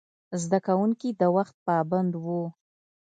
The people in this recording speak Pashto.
زده کوونکي د وخت پابند وو.